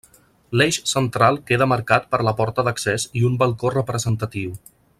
L'eix central queda marcat per la porta d'accés i un balcó representatiu.